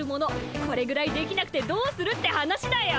これぐらいできなくてどうするって話だよ。